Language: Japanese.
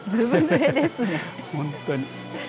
本当に。